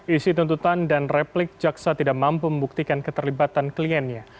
isi tuntutan dan replik jaksa tidak mampu membuktikan keterlibatan kliennya